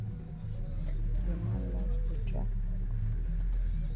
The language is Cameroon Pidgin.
De man like for drag tok.